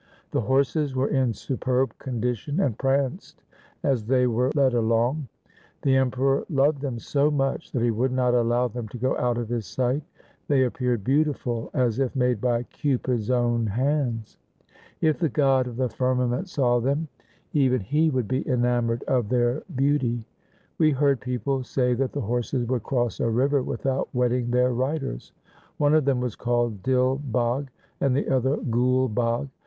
The horses were in superb condition and pranced as they were led along. The Emperor loved them so much that he would not allow them to go out of his sight. They appeared beautiful, as if made by Cupid's own hands. If the god of the firmament saw them, even 1 The Muhammadans have substituted Ismail for Isaac. LIFE OF GURU HAR GOBIND 157 he would be enamoured of their beauty. We heard people say that the horses would cross a river with out wetting their riders. One of them was called Dil Bagh and the other Gul Bagh.